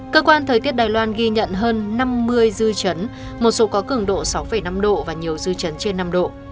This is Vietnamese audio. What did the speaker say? cơ quan thời tiết đài loan ghi nhận hơn năm mươi dư chấn một số có cường độ sáu năm độ và nhiều dư chấn trên năm độ